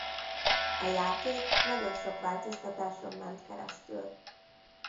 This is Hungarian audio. A Játék nagyon sok változtatáson ment keresztül.